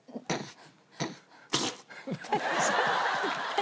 何？